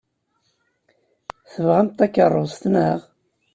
Tebɣamt takeṛṛust, naɣ?